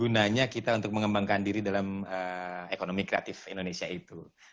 gunanya kita untuk mengembangkan diri dalam ekonomi kreatif indonesia itu